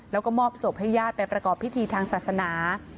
แล้วก็มอบศพให้ญาติไปประกอบพิธีทางศาสนา